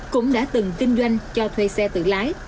cũng đã từng kinh doanh cho thuê xe tự lái